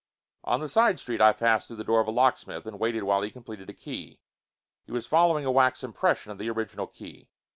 On the side street I passed through the door of a locksmith and waited while he completed a key. He was following a wax impression of the original key.